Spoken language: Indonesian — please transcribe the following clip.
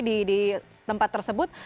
jadi tempat tersebut